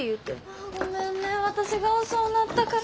あごめんね私が遅うなったから。